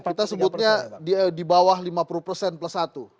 kita sebutnya di bawah lima puluh persen plus satu